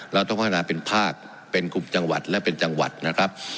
เราต้องพัฒนาเป็นภาคเป็นกลุ่มจังหวัดและเป็นจังหวัดนะครับ